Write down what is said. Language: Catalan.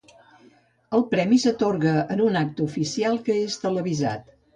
El premi s'atorga en un acte oficial que és televisat.